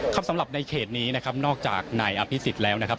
สำหรับในเขตนี้นะครับนอกจากนายอภิษฎแล้วนะครับ